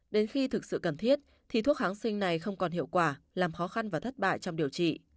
đến khi thực sự cần thiết thì thuốc kháng sinh này không còn hiệu quả làm khó khăn và thất bại trong điều trị